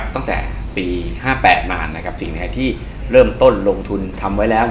ตั้งแต่ปี๕๘มาสิ่งที่เริ่มต้นลงทุนทำไว้แล้ว